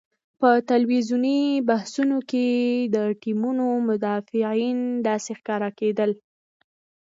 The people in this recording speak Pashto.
په ټلویزیوني بحثونو کې د ټیمونو مدافعین داسې ښکارېدل.